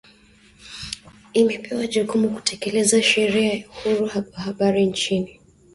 Imepewa jukumu kutekeleza Sheria ya Uhuru wa Habari nchini